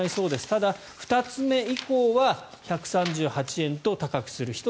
ただ、２つ目以降は１３８円と高くする。